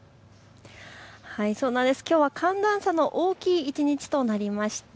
きょうは寒暖差の大きい一日となりました。